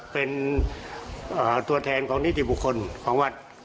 เป็นตัวแทนของนิติบุคคลของวัด